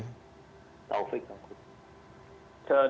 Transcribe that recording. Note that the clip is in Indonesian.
taufik bang gufron